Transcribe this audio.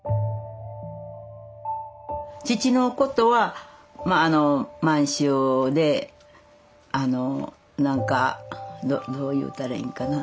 父のことは満州であのなんかどう言うたらいいんかな。